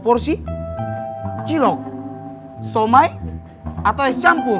pancilok somai atau es campur